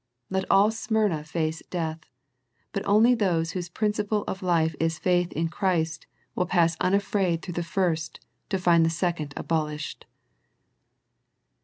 Let all Smyrna face death, but only those whose principle of life is faith in Christ will pass unafraid through the first to find the second abolished.